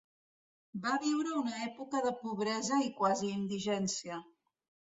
Va viure una època de pobresa i quasi indigència.